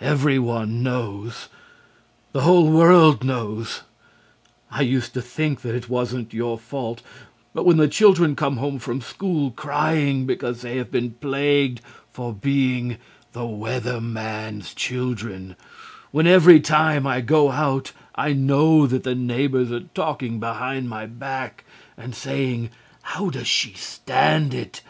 Every one knows. The whole world knows. I used to think that it wasn't your fault, but when the children come home from school crying because they have been plagued for being the Weather Man's children, when every time I go out I know that the neighbors are talking behind my back and saying "How does she stand it?"